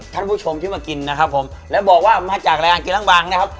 ท่านผู้ชมที่มากินนะครับผมแล้วบอกว่ามาจากรายการกินล้างบางนะครับ